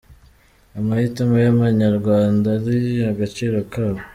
amahitamo y’Abanyarwanda ni agaciro kabo.